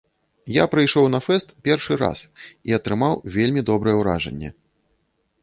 Я прыйшоў на фэст першы раз і атрымаў вельмі добрае ўражанне.